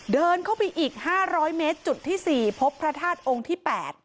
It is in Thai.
เดินเข้าไปอีก๕๐๐เมตรจุดที่๔พบพระธาตุองค์ที่๘